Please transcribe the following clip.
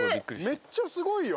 めっちゃすごいよ。